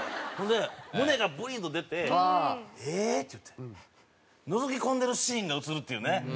胸がブリンと出て「ええー？」って言ってのぞき込んでるシーンが映るっていうね。